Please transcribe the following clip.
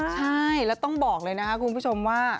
ใช่แล้วต้องบอกเลยนะคะคุณผู้ชมว่า